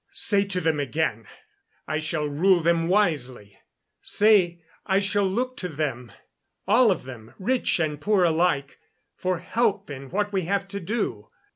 "Say to them again I shall rule them wisely. Say I shall look to them all of them, rich and poor alike for help in what we have to do.